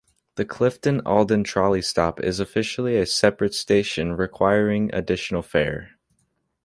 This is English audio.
The Clifton-Aldan trolley stop is officially a separate station requiring additional fare.